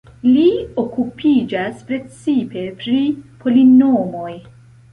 Li okupiĝas precipe pri polinomoj.